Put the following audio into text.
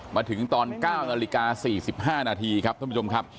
มาถึงตอน๙นาฬิกา๔๕นาทีครับท่านผู้ชมครับ